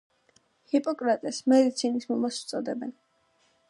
ჰიპოკრატეს „მედიცინის მამას“ უწოდებენ.